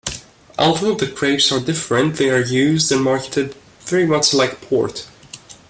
Although the grapes are different, they are used and marketed very much like port.